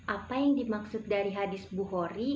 apa yang dimaksud dari hadis bu hori